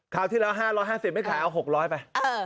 ที่แล้ว๕๕๐ไม่ขายเอา๖๐๐ไป